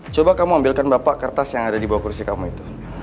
coba kamu ambilkan bapak kertas yang ada di bawah kursi kamu itu